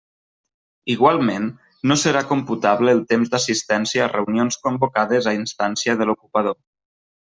Igualment, no serà computable el temps d'assistència a reunions convocades a instància de l'ocupador.